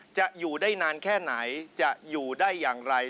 จะอยู่ได้นานแค่ไหนจะอยู่ได้อย่างไร